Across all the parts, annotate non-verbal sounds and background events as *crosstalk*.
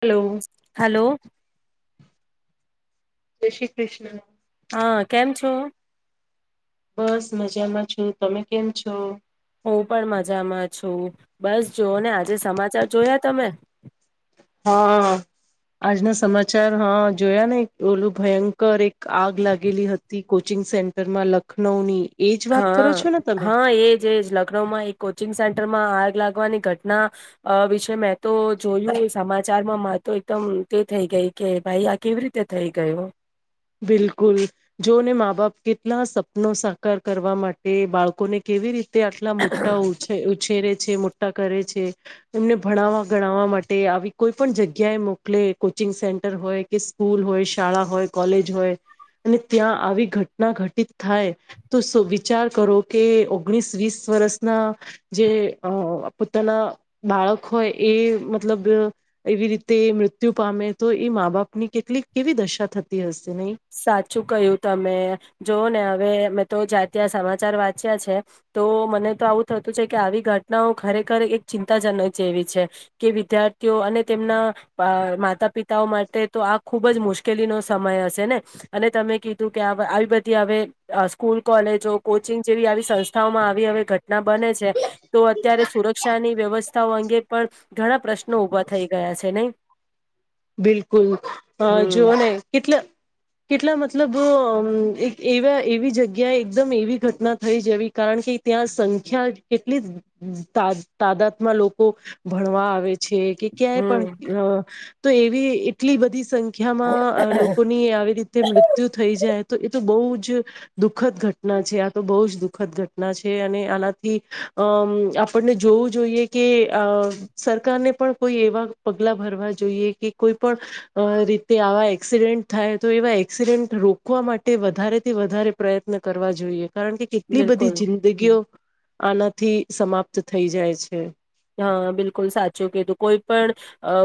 Hello! Hello જય શ્રી કૃષ્ણ. હા કેમ છો? બસ મજામાં છું, તમે કેમ છો? હું પણ મજામાં છું, બસ જો ને આજે સમાચાર જોયા તમે હા આજના સમાચાર હા જોયા નઈ ઓ ઓલું ભયંકર એક આગ લાગેલી હતી કોચિંગ સેન્ટરમાં લખનઉ ની. હા હા! એજ એજ લખ્નઉમાં એક કોચિંગ સેન્ટરમાં આગ લાગવાની ઘટના વિશે મેં તો જોયું સમાચારમાં મા તો એકદમ તે થઇ ગઈ કે ભાઈ આ કેવી રીતે થઈ ગયો? બિલકુલ, જોને મા બાપ કેટલા સપનો સાકાર કરવા માટે બાળકોને કેવી રી તે આટલા મોટા ઉછ ઉછેરે. મોટા કરે છે, એમને ભણાવવા ગણવા માટે આવી કોઈ પણ જગ્યા એ મોકલે કો કોચિંગ સેન્ટર હોય, કે સ્કૂલ હોય, શાળા હોય, કોલેજ હોય. અને ત્યાં આવી ઘટના ઘટિત થાય, તો વિચાર કરો કે ઓગણીસ વીસ વર્ષના જે પોતાના બાળક હોય એ મતલબ એવી રીતે મૃત્યુ પામે તો એ મા બાપની કેટલીક કેવી દશા થ સાચું કયું તમે. જોવ ને હવે. અમે તો જ્યાં ત્યાં સમાચાર વાંચ્યા છે. તો મને તો આવું થતું છે કે આવી ઘટનાઓ ખરેખર એક. ચિંતાજનક જેવી છે. કે વિદ્યાર્થીઓ અને તેમના મા માતા પિતાઓ માટે તો. આ ખુબ જ મુશ્કેલી નો સમય હશે ને. અને તમે કીધું કે આવી બધા. ત્યાં હવેઅ સ્કૂલ, કોલેજો, કોચિંગ જેવી આવી સંસ્થાઓમાં આવી હવે ઘટના બને છે. તો અત્યારે સુરક્ષાની વ્યવસ્થાઓ અંગે પણ ઘણા પ્રશ્નો ઉભા થઈ ગયા છે નહી? બિલકુલ અ હમ જોઓ ને કેટલા. કેટલા મતલબ અ એવા એવી જગ્યાએ એકદમ એવી ઘટના થઈ જવી. કારણ કે ત્યાં સંખ્યા કેટલી તાદાદમાં લોકો ભણવા આવે છે. છે કે ક્યાંય હમ પણ તો એવી એટલી બધી. સંખ્યામાં અ લોકોની આવી રીતે મૃત્યુ થઈ જાય. તો એ તો બહુ જો દુઃખ ઘટના છે. આ બહુ જ દુઃખ ઘટના છે. અને આનાથી અમ આપણને જોવું જોઈએ, કે અ સરકારને પણ કોઈ એવા પગલા ભરવા જોઈએ કે કોઈ પણ રીતે આવા એક્સિડેન્ટ થાય તો. એવા એક્સિડેન્ટ રોકવા માટે વધારેથી વધારે પ્રયત્ન કરવા જોઈએ. કારણ કે કેટલી બધી બિલકુલ જિંદગીઓ આનાથી સમાપ્ત થઈ જાય છે. હા બિલકુલ સાચું કીધું. કોઈ પણ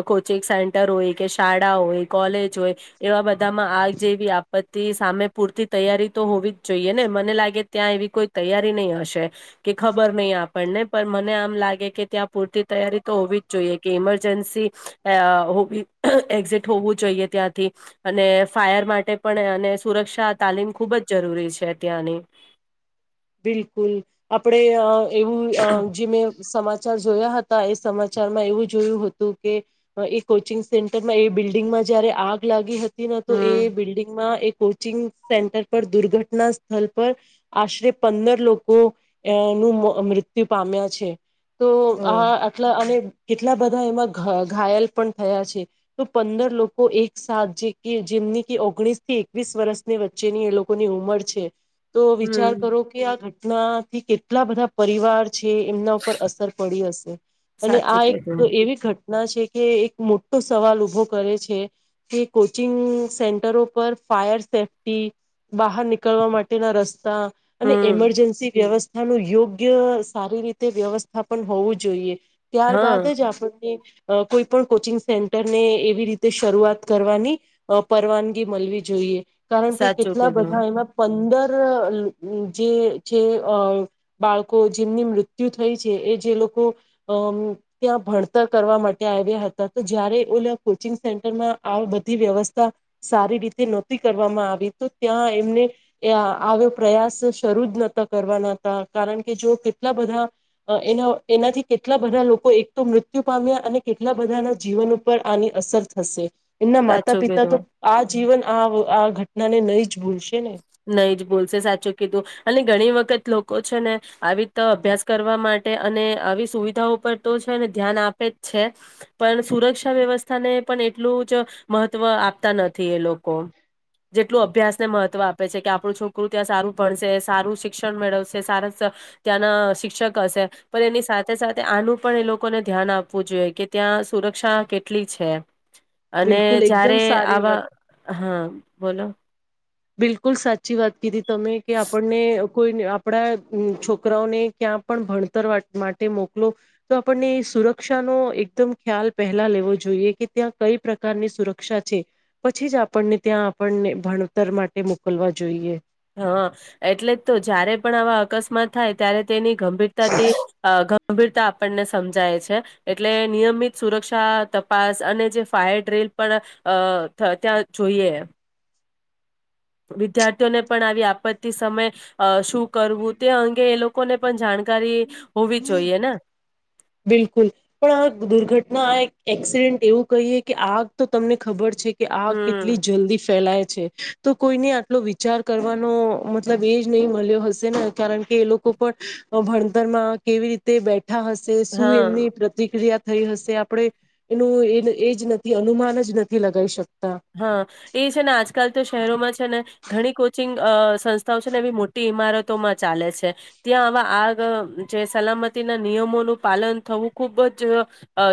કોચિંગ સેન્ટર હોય, કે શાળા હોય, કોલેજ જોય એવા બધામાં આ જેવી આપત્તિ સામે પૂરતી તૈયારી તો હોવી જ જોઈએ ને. મને લાગે કે ત્યા એવી કોઈ તૈયારી નહી હશે. કે ખબર નહી આપણને. પણ મને આમ લાગે કે. ત્યાં પૂરતી તૈયારી તો હોવી જ જોઈએ. કે ઇમરજન્સી એક્ઝિટ હોવું જોઈએ. ત્યાંથી અને ફાયર માટે પણ, અને સુરક્ષા તાલીમ ખૂબ જ જરૂરી છે ત્યાંની. *inaudible* બિલકુલ. આપડે અ એવું અ જે મે સમાચાર. જોયા હતા. એ સમાચારમાં એવું જોયું હતું. કે એ કોચિંગ સેન્ટરમાં એ બિલ્ડિંગમાં જારે. રે આગ લાગી હતી ને તો એ હમ બિલ્ડિંગમાં એક. કોચિંગ સેન્ટર પર દુર્ઘટના સ્થળ પર આશ્રય. પંદર લોકો અ નું મૃત્યુ પામ્યા છે. તો હમ આ આટલા અને. કેટલા બધા એમાં ઘ ઘાયલ પણ થયા છે. તો પંદર લોકો એકસાથ જે કે જે. ઓગણીસ થી એકવીસ વર્ષની વચ્ચેની એ લોકોની ઉંમર છે. તો વિચાર હમ. કરો, કે આ ઘટનાથી કેટલા બધા પરિવાર. છ એમના ઉપર અસર પડી હશે. અને સાચું આ કીધું એક એવી ઘટના. ઘટના છે કે એક મોટો સવાલ ઊભો કરે છે, કે કોચિંગ સેન્ટરો પર. ફાયર સેફ્ટી, બહાર નીકળવા માટેના રસ્તા. અને હમ એમરજન્સી વ્યવસ્થાનું યોગ્ય સારી રીતે વ્યવસ્થા પણન હોવું જોઈએ. ત્યારબાદ હા જ આપણને. અ કોઈ પણ કોચિંગ સેન્ટરને એવી રીતે શરૂઆત કરવાની પરવાનગી મળવી જોઈએ. કારણ કે સાચું કેટલા કીધું બધા એમાં પંદર. જે છે અ બાળકો જેમની મૃત્યુ થઈ છે. એ જે લોકો. ત્યાં ભણતર કરવા માટે આવ્યા હતા તો જયારે ઓ કોચિંગ સેન્ટરમાં આ બધી વ્યવસ્થા સારી રીતે નહોતી કરવામાં આવી તો ત્યાં એમને આવ પ્રયાસ શરૂ જ નતા કરવાના હતા કારણ કે જો કેટલા બધા એના એનાથી કેટલા બધા લોકો એક તો મૃત્યુ પામ્યા અને કેટલા બધાના જીવન ઉપર આની અસર થશે એમના માતા સાચું પિતા કીધું તો આ જીવન આ આ ઘટનાને નહી જ ભૂલશે ને નહી જ બોલશે સાચું કીધું અને ઘણી વખત લોકો છે ને આવી રિતે અભ્યાસ કરવા માટે અને આવી સુવિધાઓ પરતો છેને ધ્યાન આપે જ છે પણ સુરક્ષા વ્યવસ્થાને પણ એટલું જ મહત્વ વહ આપતા નથી એ લોકો જેટલું અભ્યાસને મહ મહત્વ આપે છે કે આપણું છોકરું ત્યાં સારું ભણશે સારું શિક્ષણ મેળવશે સારા ત્યાંના શિક્ષક હશે પણ એની સાથે સાથે આનું પણ એ લોકોને ધ્યાન આપવું આપવું જોઈએ, કે ત્યાં સુરક્ષા કેટલી છે. અને બિલકુલ એકદમ જારે, સારી આવા વાત હા બોલો બિલકુલ, સાચી વાત કીધી. તમે કે આપણને કોઈ આપણા છોકરાઓને ક્યાં પણ ભણતર માટે મોકલો, તો આપને સુરક્ષાનોો એકદમ ખ્યાલ પહેલા લેવો જોઈએ. ત્યાં કઈ પ્રકારની સુરક્ષા છે, પછી જ આપણને ત્યાં આપણને ભણ તર માટે મોકલવા જોઈએ. હા, એટલે જ, તો જય્યારે પણ આવા અકસ્માત થાય, ત્યારે તેની ગંભીરતાથી, એ ગમ ગંભીરતા આપણને સમજાય છે, એટલે નિયમિત સુરક્ષા તપાસ અને, જે ફાયર ડ્રી પણ અ, ત્યાં જોઈએ વિદ્યાર્થીઓને, પણ આવી આપત્તિ સમય શું કરવું તે અંગે એ લોકો લોકોને પણ જાણ બિલકુલ પણ, આ દુર્ઘટ ના, આ એક એક્સિડેન્ટ એવું કહીએ કે આગ, તો તમને ખબર છે. કે આ કેટલી હમ જલ્દી ફેલાય તો કોઈને આટલો વિચાર કરવાનો મતલબ, એ જ નહી, મળ્યો હશે ને કારણ કે એ લોકો ભણતરમા કેવી રીતે બેઠા હશે, શું હા એમની પ્રતિક્રિયા થઈ, હશે આપણે એનું એ એ જ નથી, અનુમાન જ નથી, લગાવી શક હા, એ છેને આજકાલ તો શહેરોમાં છેને, ઘણી કોચિંગ સંસ્થા છે, ને એ મોટી ઈમારતો માં ચાલે છે, ત્યાં આવા આગ જે સલામત ની, ના નિયમોનું પાલન થવું ખુબજ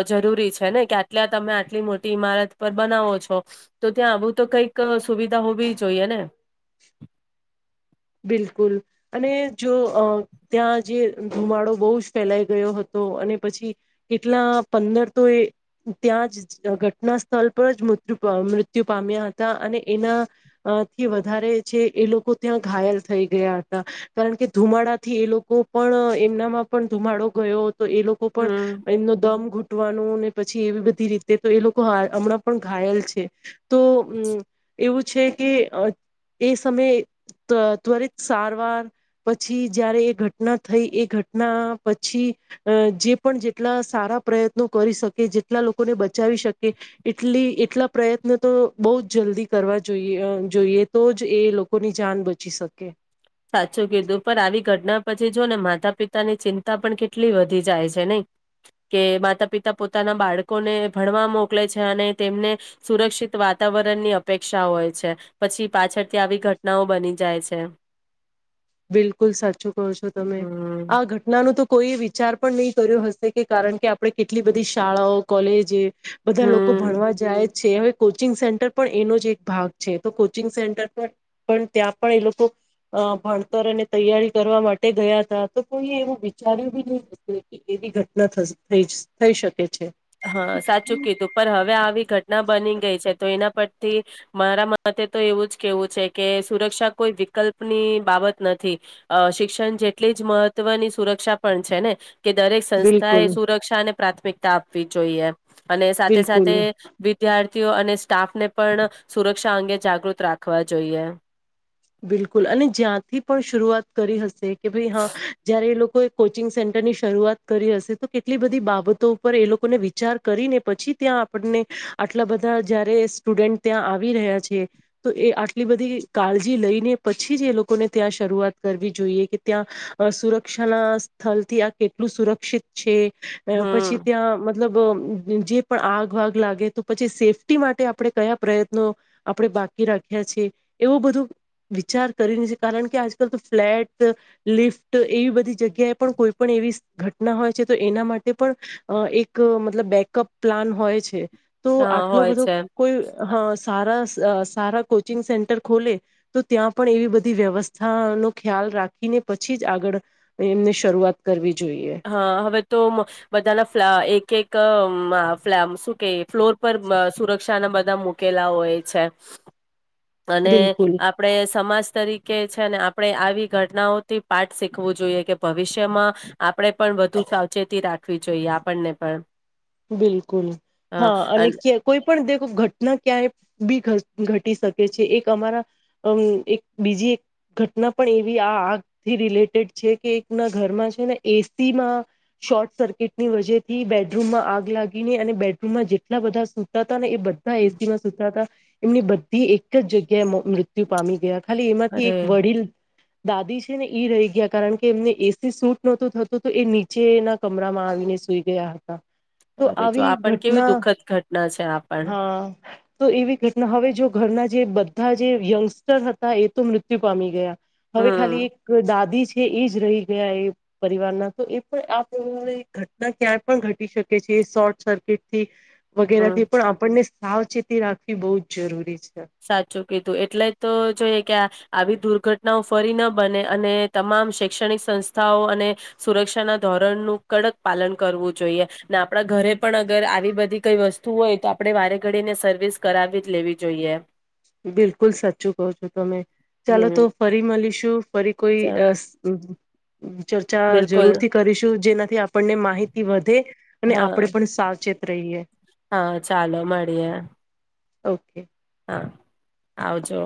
જરૂરી છેને, કે આટલા તમે આટલી મોટી ઈમારત, પર બનાવો છો. તો ત્યાં આવું, તો કઈક સુવિધા હોવી, જોઈએ ને બિલકુલ, અને જો અ ત્યાં જે ધુમાડો બહુજ ફેલાઈ ગયો, હતો. તો અને પછી કેટલા, પંદર તો એ ત્યાં જ ઘટના સ્થળ, પર જ મૃત્યુ, મૃત્યુ પામ્યા હતા અને એના થી વધારે છે, એ લોકો ત્યાં ઘાયલ થઈ ગયા હતા, કારણ કે ધુમાડાથી એ લોકો પણ એમનામાં પણ ધુમાડો ગયો. તો એ લોકો પણ હમ એમનો દમ ઘૂટવાનો ને પછી, એવી બધી રીતે તો એ લોકો હમણાં પણ ઘાયલ છે તોમ એવું છે. કે અ એ સમય ત્વરિત સારવાર પછી, જયારે એ ઘટના થઈ એ ઘટના પછી. અ જે પણ જેટલા સારા પ્રયત્નો કરી શકે જેટલા લોકોને બચાવી, શકે એટલી એટલા પ્રયત્ન, તો બહુ જ જલ્દી કરવા જોઈએ જોઈએ. તો જ એ લોકોની જાન બચે પછી, શકે સાચું કીધું પણ આવી ઘટના પછી, જો ને માતા પિતાની ચિંતા પણ કેટલી વધી જાય છે, નહી કે માતા પિતા પોતાના બાળકોને ભણવા મોકલે છે, અને તેમને સુરક્ષિત વાતા વાતાવરણની અપેક્ષા હોય છે, પછી પાછળથી આવી ઘટનાઓ બની જાય છે. બિલકુલ સાચું કહો છો, તમે હમ આ ઘટનાનું તો કોઈ વિચાર પણ નહીં, કર્યો હશે કે કારણ કે આપણે કેટલી બધી શાળાઓ કોલેજએ બધા લોકો હમ ભણવા જાય છે, હવે કોચિંગ સેન્ટર પણ એનો જ એક ભાગ છે, તો કોચિંગ સેન્ટર પણ, પણ ત્યાં પણ એ લોકો અ ભણ તર અને તૈયારી કરવા માટે ગયા, હતા તો કોઈ એવું વિચાર્યું બી નહી, એવી ઘટના થશે થશ, થઈ શકે છે. હા, સાચું કીધું પણ હવે, આવી ઘટના બની ગઈ છે. તો એના પરથી મારા મતે તો એવું જ કેવું છે, કે સુરક્ષા કોઈ વિકલ્પની બાબત નથી, શિક્ષણ જેટલી જ મહત્વની સુરક્ષા પણ છેને. કે દરેક સંસ્થા, એ બિલકુલ સુરક્ષા અને પ્રાથમિકતા આપવી જોઈએ અને સાથે, બિલકુલ સાથે વિદ્યા ર્થીઓ અને સ્ટાફને પણ સુરક્ષા અંગે જાગૃત રાખવા જોઈએ બિલકુલ અને જ્યાંથી પણ શરૂઆત કરી હશે કે ભાઈ હા જયારે એ લો કોએ કોચિંગ સેન્ટરની શરૂઆત કરી હશે તો કેટલી બધી બાબતો ઉપર એ લોકોને વિચાર કરીને પછી ત્યાં આપણને આટલા બધા જયારે સ્ટુડન્ટ ત્યાં આવી રહ્યા છે તો એ આટલી બધી થી કાળ જી લઈને પછી જ એ લોકોને ત્યાં શરૂઆત કરવી જોઈએ કે ત્યાં સુરક્ષાના સ્થ લથી આ કેટલું સુરક્ષિત છે પછી હમ ત્યાં મ મતલબ જે પણ આગ વાગ લાગે તો પછી સેફ્ટી માટે આપણે કયા પ્રયત્નો આપણે બાકી રાખ્યા છે એવું બધું વિચાર કરીને છે કારણ કે આજકાલ તો ફ્લેટ લિફ્ટ એવી બધી જગ્યાએ પણ કોઈ પણ એવી ઘટના હોય છે તો એના માટે પણ એક મતલબ બેકઅપ પ્લાન હોય છે તો હા આટલો હોય બધો છે કોઈ હા સારા સારા કોચિંગ સેન્ટર ખોલે તો ત્યાં પણ એવી બધી વ્યવસ્થા નો ખ્યાલ રાખીને પછી જ આગળ એમને શરૂઆત કરવી જોઈએ હા હવે તો બધાના ફ્લા એક એક ક અમ મા ફ્લા શું કે ફ્લોર પર સુરક્ષાના બધા મુકેલા હોય છે અને બિલકુલ આપડે સમાજ તરીકે છે ને આપણે આવી ઘટનાઓથી પાઠ શીખવું જોઈએ કે ભવિષ્યમાં આપણે પણ વધુ સાવચેતી રાખવી જોઈએ આપણને પણ બિલકુલ અ હા અને અન ક કોઈ પણ દેખો ઘટના ક્યાય બી ઘ ઘટી શકે છે એક અમારા અમ એક બીજી એક ઘટના પણ એવી આ આગથી રિલેટેડ છે કે એકના ઘરમા છે ને એસીમા શોર્ટ સર્કિટ ની વજે થી બેડરૂમમા આગ લાગીને અને બેડરૂમમા જેટલા બધા સુતા હતા ને એ બધા એસીમા સુતા હતા એમની બધી એક જ જગ્યાએ મૃત્યુ પામી ગયા ખાલી એમાથી એક અરે વડીલ દાદી છે ને ઈ રહી ગયા કારણ કે એમને એસી સૂટ નહોતુ થતુ તો એ નીચે એના કમરામા આવીને સુ સુઈ ગયા હતા તો અરે જો આવી આપણ કેવી ઘટના દુઃખદ ઘટના છે આપણ હા તો એવી ઘટના હવે જો ઘરના જે બધા જે યંગસ્ટર હતા એ તો મૃત્યુ પામી ગયા હવે ખાલી હમ એક દાદી છે એ જ રહી ગયા એ પરિવારના તો એ પણ આ પ્રમાણે એક ઘટના ક્યાં પણ ઘટી શકે શકે છે શોર્ટ સર્કિટ થી વગેરે હમ થી પણ આપણને સાવચેતી રાખવી બોહ જ જરૂરી છે સાચુ કીધુ એટલે તો જોઈએ કે આ આવી દુર્ઘટનાઓ ફરી ન બને અને તમામ શૈક્ષણિક સંસ્થાઓ અને સુરક્ષાના ધોર રણ નું કડક પાલન કરવું જોઈએ ને આપડા ઘરે પણ અગર આવી બધી કઈ વસ્તુ હોય તો આપડે વારે ઘડીએ એને સર્વિસ કરાવી જ લેવી જોઈએ બિલકુલ સાચુ કહુ છો તમે ચાલો તો હમ ફરી મળીશુ ફરી કોઈ ચ અસ ચર્ચા બિલકુલ જરૂરથી કરીશુ જેના આપણને માહિતી વધે અને આપણેે હા પણ સાવચેત રહીએ હા ચાલો મળીએે ઓકે હા આવજો